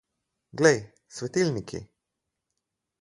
Glej, svetilniki!